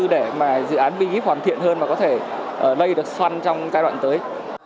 để mà dự án bgif hoàn thiện hơn và có thể lây được xoăn trong giai đoạn tới